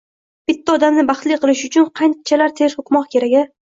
Bitta odamni baxtli qilish uchun qanchalar ter to‘kmoq kerak-a!